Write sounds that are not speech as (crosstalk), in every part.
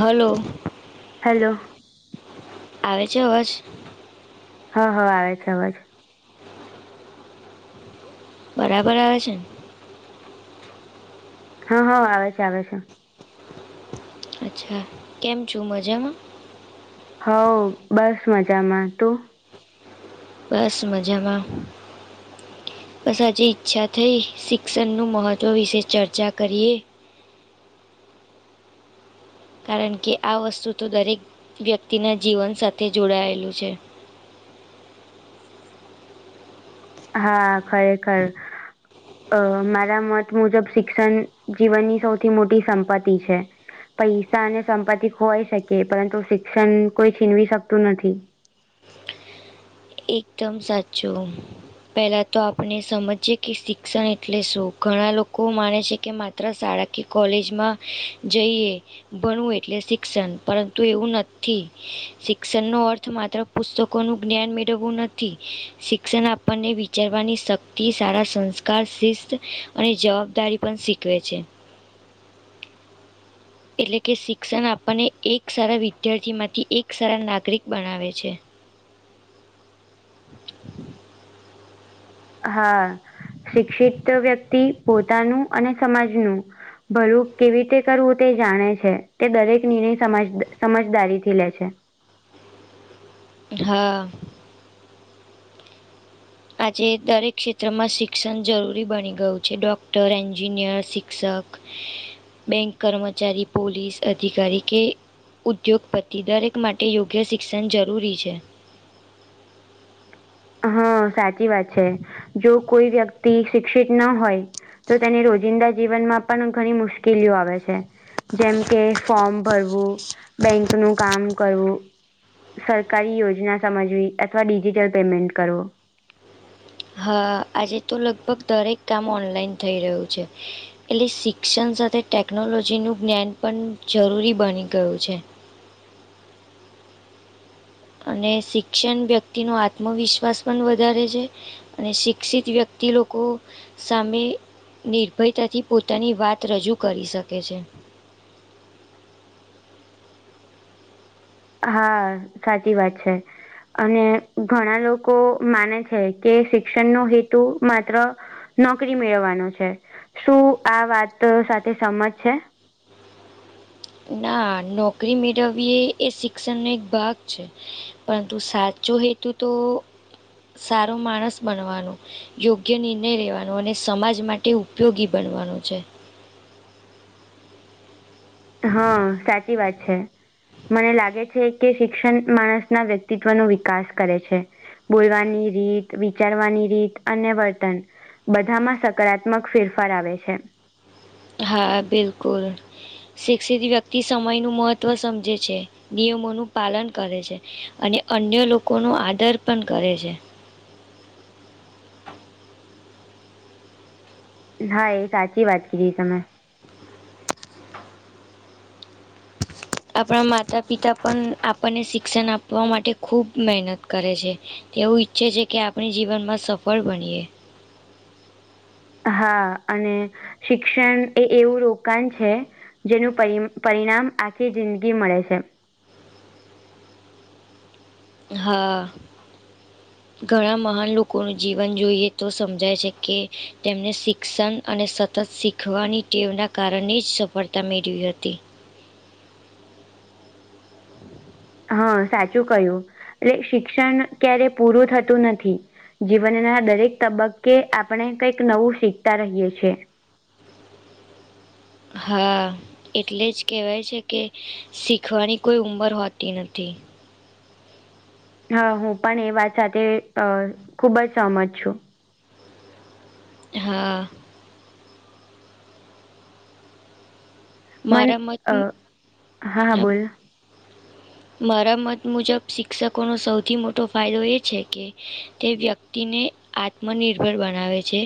Hello hello આવે છે હસ હ હ આવે છે અવાજ બરાબર આવે છે ને હા હા આવે છે આવે છે અચ્છા કેમ છું મજામાં હ બસ મજામાં તું બસ મજામાં બસ આજે ઈચ્છા થઈ શિક્ષણનુંું મહત્વ વિશે ચર્ચા કરીએ કારણ કે આ વસ્તુ તો દરેક વ્યક્તિના જીવન સાથે જોડાયેલું છે હા ખરે ખર અ મારા મત મુજબ શિક્ષણ જીવનની સૌથી મોટી સંપત્તિ છે પૈસા અને સંપત્તિ હોય શકે પરંતુ શિક્ષણ કોઈ છીનવી શકતું નથી એકદમ સાચું પહેલા તો આપણે સમજી કે શિક્ષણ એટલે શું ઘણા લોકો માને છે કે માત્ર શાળા કે કોલેજમાં જઈએ ભણવું એટલે શિક્ષણ પરંતુ એવું નથી શિક્ષણ નો અર્થ માત્ર પુસ્તકો નું જ્ઞાન મે નથી શિક્ષણ આપણને વિચારવાની શક્તિ સારા સંસ્કાર શિસ્ત અને જવાબદારી પણ શીખવે છે એટલે કે શિક્ષણ આપણને એક સારા વિદ્યાર્થીમાંથી એક સારા નાગરિક બનાવે છે હા શિક્ષિત વ્યક્તિ પોતાનું અને સમાજનું ભલું કેવી રીતે કરવું તે જાણે છે તે દરેક નિર્ણયજ સમજદારી થી લે છે હા આજે દરેક ક્ષેત્રમાં શિક્ષણ જરૂરી બની ગયું છે ડૉક્ટર એન્જિનિયર શિક્ષક બેંક કર્મચારી પોલીસ અધિકારી કે ઉદ્યોગપતિ દરેક માટે યોગ્ય શિક્ષણ જરૂરી છે હા સાચી વાત છે જો કોઈ વ્યક્તિ શિક્ષિત ના હોય તો તેની રોજિંદા જીવનમાં પણ ઘણી મુશ્કેલીઓ આવે છે જેમ કે ફોર્મ ભરવું બેંક નું કામ કરવું સરકારી યોજના સમજવી અથવા ડિજિટલ પેમેન્ટ કરો હા આજે તો લગભગ દરેક કામ ઓનલાઈન થઈ રહ્યું છે એટલે શિક્ષણ સાથે ટેકનોલોજીનું જ્ઞાન પણ જરૂરી બની ગયું છે અને શિક્ષણ વ્યક્તિ નો આત્મવિશ્વાસ પણ વધારે છે અને શિક્ષિત વ્યક્તિ લોકો. સામે નિર્ભયતાથી પોતાની વાત રજૂ કરી શકે છે. હા સાચી વાત છે. અને ઘણા લોકો માને છે કે શિક્ષણ નો હેતુ માત્ર. નોકરી મેળવવાનો છે શું આ વાત સાથે સમજ છે. ના નોકરી મેળવીએ એ શિક્ષણનો એક ભાગ છે. પરંતુ સાચો હેતુ તો સારો માણસ બનવાનો. યોગ્ય નિર્ણય લેવાનો અને સમાજ માટે ઉપયોગી બનવાનો છે. હા સાચી વાત છે. મને લાગે છે કે શિક્ષણ માણસના વ્યક્તિત્વ ન વિકાસ કરે છે. બોલવાની રીત વિચારવાની રીત અને વર્તન. બધામાં સકારાત્મક ફેરફાર આવે છે. હા બિલકુલ. શિક્ષિત વ્યક્તિ સમય નું મહત્વ સમજે છે નિયમોનું પાલન કરે છે. અને અન્ય લોકો નો આદર પણ કરે છે. હા એ સાચી વાત કરી તમે. આપણા માતા પિતા પણ આપણને શિક્ષણ આપવા માટે ખૂબ મહેનત કરે છે તે એવું ઈચ્છે છે કે આપણી જીવનમાં સફળ બનીયએ. હા અને શિક્ષણ એ એવું રોકાણ છે. જેનું પરિણામ આખી જિંદગી મળે છે. હા. ઘણા મહાન લોકોનું જીવન જોઈએ તો સમજાય છે કે તેમને શિક્ષણ. અને સતત શીખવાની ટેવના કારણે જ સફળતા મેળવી હતી. હમ. હા સાચું કય્યું એટ શિક્ષણ ક્યારે પૂરું થતું નથી. જીવનના દરેક તબક્કે આપણે કઈક નવું શીખતા રહીએ છીએ. હા. એટલે જ કહેવાય છે કે શીખવાની કોઈ ઉંમર હોતી નથી. હા હું પણ એ વાત સાથે અ ખુબ જ સહમત છું. હા. મન મારા મત હા હા બોલ મારા મત મુજબ શિક્ષકોનો સૌથી મોટો ફાયદો એ છે કે તે વ્યક્. તિને આત્મનિર્ભર બનાવે છે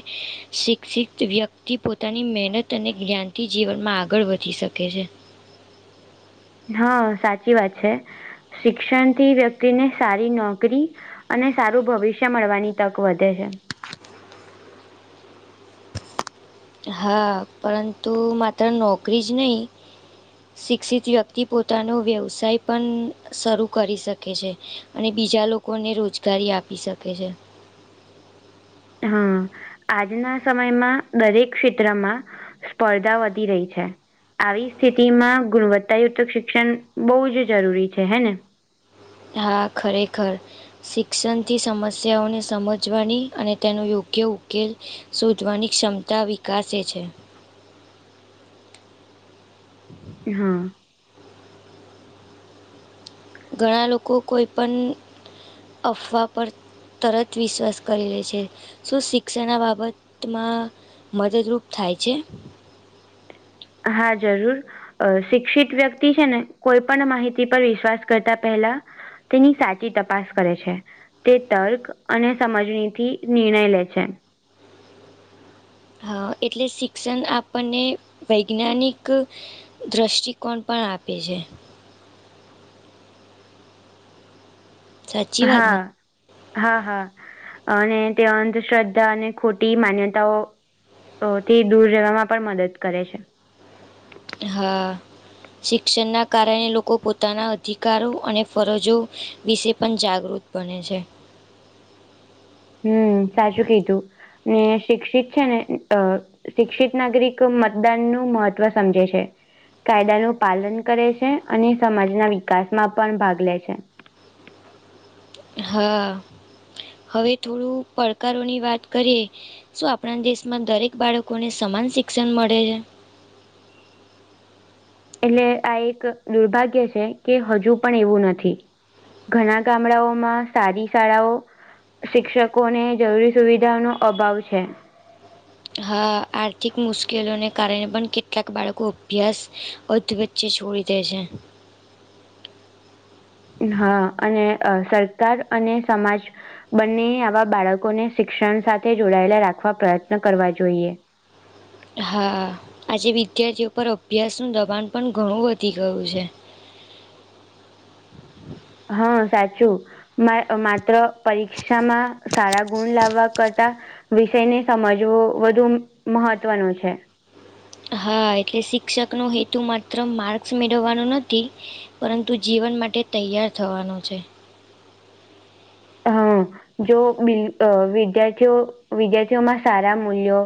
શિક્ષિત વ્યક્તિ પો. પોતાની મહેનત અને જ્ઞાનથી જીવનમાં આગળ વધી શકે છે. હા સાચી વાત છે શિક્ષણથી વ્યક્તિને સારી નોકરી. અને સારું ભવિષ્ય મળવાની તક વધે છે. હા પરંતુ માત્ર નોકરી જ નહીં. શિક્ષિત વ્યક્તિ પોતાનો વ્યવસાય પણ શરૂ કરી શકે છે. અને બીજા લોકોને રોજગારી આપી શકે છે. હા. આજના સમયમાં દરેક ક્ષેત્રમાં સ્પર્ધા વધી રહી છે. આવી સ્થિતિ માં ગુણવત્તાયુક્ત શિક્ષણ બહુ જ જરૂરી છે હે ને. હા ખરેખર. શિક્ષણથી સમસ્યાઓને સમજવાની અને તેનો યોગ્ય ઉકેલ. શોધવાની ક્ષમતા વિકસે છે. હા. ઘણા લોકો કોઈ પણ અફવા પર. તરત વિશ્વાસ કરી લે છે શું શિક્ષણના બાબતમાં. મદદરૂપ થાય છે. હા જરૂર અ શિક્ષિત વ્યક્તિ છે ને કોઈ પણ માહિતી પર વિશ્વાસ કરતા પહેલા તેની સાચી તપાસ કરે છે તે તર્ક અને સમજણીથી નિર્ણય લે છે હા એટલે શિક્ષણ આપણને વૈજ્ઞાનિક દ્રષ્ટિકોણ પણ આપે છે સાચી વાત ને હા. હા હા અને તે અંધશ્રદ્ધા અને ખોટી માન્યતાઓ તો તેથી દૂર રહેવામાં પણ મદદ કરે છે. હા. શિક્ષણના કારણે લોકો પોતાના અધિકારો અને ફરજો વિશે પણ જાગૃત. બને છે. હમ સાચું કીધું ને શિક્ષિત છે ને શિક્ષિત નાગરિક મતદાન નું મહત્વ સમજે છે. કાયદાનું પાલન કરે છે અને સમાજના વિકાસમાં પણ ભાગ લે છે. હા હવે થોડું પડકારોની વાત કરીએ. શું આપણા દેશમાં દરેક બાળકોને સમાન શિક્ષણ મળે છે. એટલે આ એક દુર્ભાગ્ય છે કે હજુ પણ એવું નથી. ઘણા ગામડાઓમાં સારી શાળાઓ. શિક્ષકોને જરૂરી સુવિધાનોો અભાવ છે. હા આર્થિક મુશ્કેલોને કારણે પણ કેટલાક બાળકો અભ્યાસ અદવત ચ્જે છોડી દે છે. હા અને સરકાર અને સમાજ. બંને આવા બાળકોને શિક્ષણ સાથે જોડાયેલા રાખવા પ્રયત્ન કરવા જોઈએ. હા આજે વિદ્યાર્થીઓ પર અભ્યાસનું દબાણ પણ ઘણું વધી ગયું છે. હા સાચું. માત્ર પરીક્ષામાં સારા ગુણ લાવવા કરતા. વિષય ને સમજવું વધુ મહત્વનું છે. હા એટલે શિક્ષકનો હેતુ માત્ર માર્ક્સ મેળવવાનો નથી. પરંતુ જીવન માટે તૈયાર થવાનો છે. હમ જો બ વિદ્યાર્થીઓ વિદ્યાર્થીઓમાં સારા મૂલ્યો.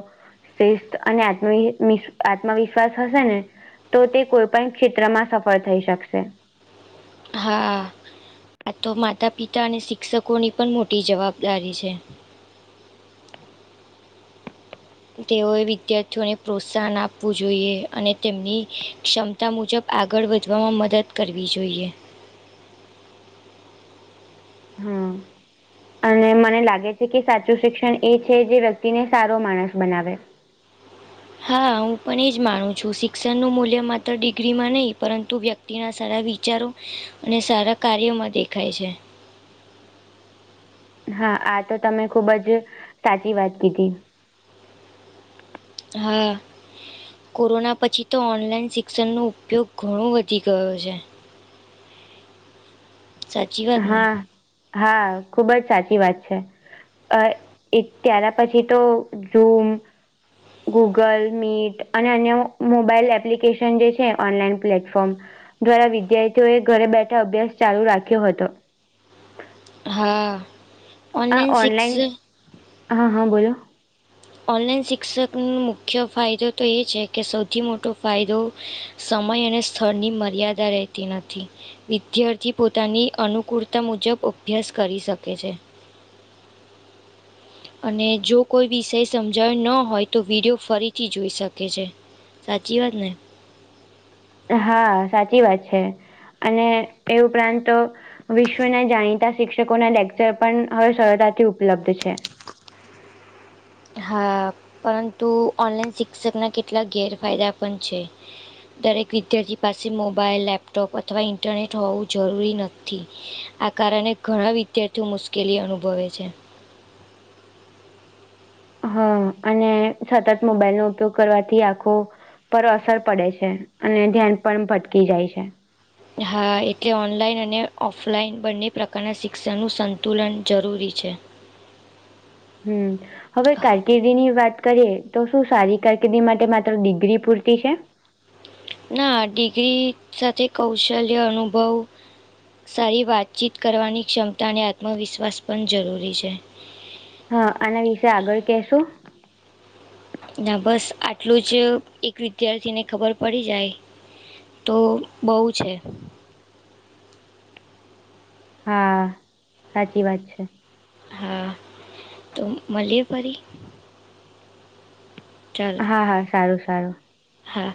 શ્રેષ્ઠ અને આત્મ આત્મવિશ્વાસ હશે ને. તો તે કોઈ પણ ક્ષેત્રમાં સફળ થઈ શકશે. હા આ તો માતા પિતા અને શિક્ષકોની પણ મોટી જવાબદારી છે. તેઓએ વિદ્યાર્થીઓને પ્રોત્સાહન આપવું જોઈએ અને તેમની ક્ષમ તા મુજબ આગળ વધવામાં મદદ કરવી જોઈએ. હમ (inaudible) અને મને લાગે છે કે સાચું શિક્ષણ એ છે જે વ્યક્તિને સારો માણસ બનાવે. હા હું પણ એ જ માનું છું શિક્ષણનું મૂલ્ય માત્ર ડિગ્રીમાં નહીં પરંતુ વ્યક્ તિના સારા વિચારો અને સારા કાર્યોમાં દેખાય છે. હા આ તો તમે ખુબ જ સાચી વાત કીધી. હા. કોરોના પછી તો ઓનલાઈન શિક્ષણનો ઉપયોગ ઘણો વધી ગયો છે. સાચી વાત ને હા હા ખુબ જ સાચી વાત છે. અ ત્યાર પછી તો ઝુમ ગૂગલ મીટ અને અન્ય મોબાઈલ એપ્લિકેશન જે છે ઓનલાઈન પ્લેટફોર્મ. દ્વારા વિદ્યાર્થીઓએ ઘરે બેઠા અભ્યાસ ચાલુ રાખ્યો હતો. હા હ ઓનલાઈન હા હા બોલો ઓનલાઈન શિક્ષકનો મુખ્ય ફાયદો તો એ છે કે સૌથી મોટો ફાયદો સમય અને સ્થળની મર્યાદા રહેતી નથી. વિદ્યાર્થી પોતાની અનુકૂળતા મુજબ અભ્યાસ કરી શકે છે. અને જો કોઈ વિષય સમજાયો ન હોય તો વિડિયો ફરીથી જોઈ શકે છે. સાચી વાત ન. હા સાચી વાત છે અને એ ઉપરાંત તો. વિશ્વના જાણીતા શિક્ષકોના લેક્ચર પણ હવે સરળતાથી ઉપલબ્ધ છે. હા પરંતુ ઓનલાઈન શિક્ષકના કેટલા ગેરફાયદા પણ છે. દરેક વિદ્યાર્થી પાસે મોબાઈલ લેપટોપ અથવા ઇન્ટરનેટ હોવું જરૂરી નથી. આ કારણે ઘણા વિદ્યાર્થીઓ મુશ્કેલી અનુભવે છે. હા અને સતત મોબાઈલનોો ઉપયોગ કરવાથી આખો. પર અસર પડે છે અને ધ્યાન પણ ભટકી જાય છે. હા એટલે ઓનલાઈન અને ઓફલાઈન બંને પ્રકારના શિક્ષણનું સંતુલન જરૂરી છે. હમ. હવે કારકિર્દીની વાત કરીએ તો શું સારી કારકિર્દી માટે માત્ર ડિગ્રી પૂરતી છે. ના ડિગ્રી સાથે કૌશલ્ય અનુભવ. સારી વાતચીત કરવાની ક્ષમતા અને આત્મવિશ્વાસ પણ જરૂરી છે. હા આના વિશે આગળ કેશું. ના બસ આટલું જ એક વિદ્યાર્થીને ખબર પડી જાય. તો બહુ છે. હા સાચી વાત છે. હા તો મળલએ ફરી. ચાલો હા હા સારું સારું. હા.